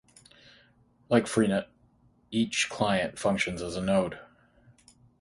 Like Freenet, each client functions as a node.